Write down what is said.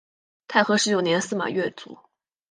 太和十九年司马跃卒。